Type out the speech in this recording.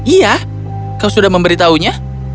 iya kau sudah memberitahunya